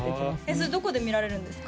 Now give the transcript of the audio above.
それどこで見られるんですか？